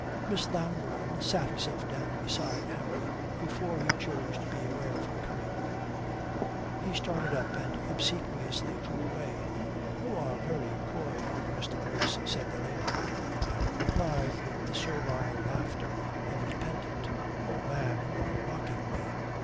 Miss Lambourne sat herself down beside Harry before he chose to be aware of her coming. He started up and obsequiously drew away. "You are very coy, Mr. Boyce," said the lady. Harry replied, with the servile laughter of a dependent, "Oh, ma'am, you are mocking me."